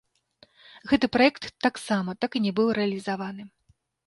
Гэты праект таксама так і не быў рэалізаваны.